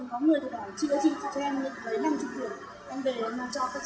có khi lúc mà có sách